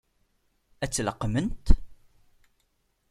Ad tt-leqqment?